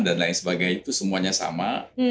dan lain sebagainya itu semuanya sama